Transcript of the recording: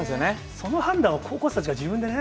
その判断は高校生たちが自分でね。